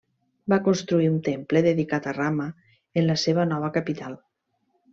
Va construir un temple dedicat a Rama en la seva nova capital.